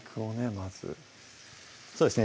まずそうですね